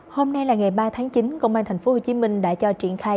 hôm nay là ngày ba tháng chín công an tp hcm đã cho triển khai